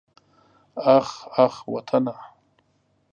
اخ اخ وطنه.